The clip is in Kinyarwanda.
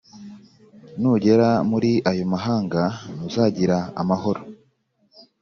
Nugera muri ayo mahanga, ntuzagira amahoro